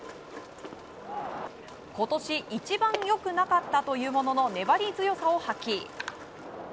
今年一番良くなかったというものの粘り強さを発揮。